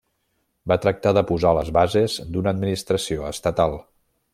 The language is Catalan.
Va tractar de posar les bases d'una administració estatal.